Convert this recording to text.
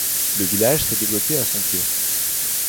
Le village s'est développé à son pied.